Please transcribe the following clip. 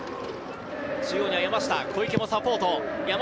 中央には山下、小池もサポート。